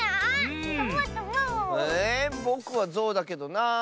えぼくはゾウだけどなあ。